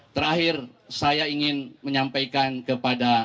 terakhir saya ingin menyampaikan kepada